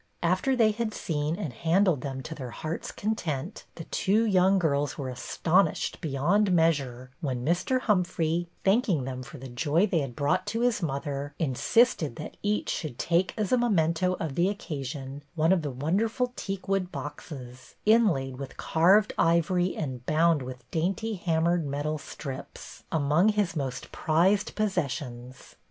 After they had seen and handled them to their hearts' content, the two young girls were astonished beyond measure when Mr. Humphrey, thanking them for the joy they had brought to his mother, insisted that each should take as a memento of the occasion, one of the wonderful teakwood boxes, inlaid with carved ivory and bound with dainty hammered metal strips, among his most prized possessions.